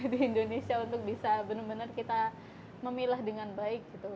di indonesia untuk bisa benar benar kita memilah dengan baik gitu